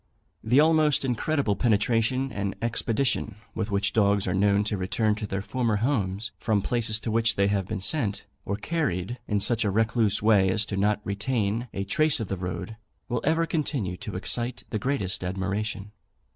The almost incredible penetration and expedition with which dogs are known to return to their former homes, from places to which they have been sent, or carried in such a recluse way as not to retain a trace of the road, will ever continue to excite the greatest admiration.